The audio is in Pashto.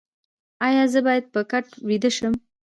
ایا زه باید په کټ ویده شم؟